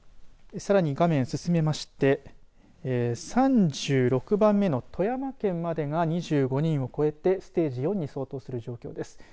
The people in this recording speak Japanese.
さらに画面を進めまして３６番目の富山県までが２５人を超えてステージ４に相当する状況です。